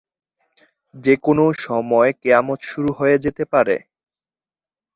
যে কোনও সময় কেয়ামত শুরু হয়ে যেতে পারে!